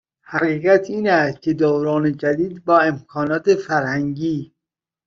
حقیقت این است که دوران جدید با امکانات فرهنگی